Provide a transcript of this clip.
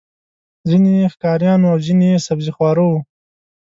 ځینې یې ښکاریان وو او ځینې یې سبزيخواره وو.